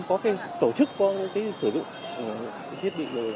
có cái tổ chức có cái sử dụng cái thiết bị